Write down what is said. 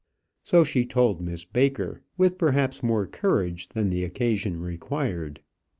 So she told Miss Baker with perhaps more courage than the occasion required.